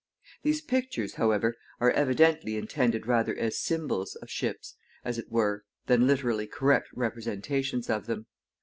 These pictures, however, are evidently intended rather as symbols of ships, as it were, than literally correct representations of them.